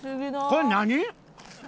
これ何？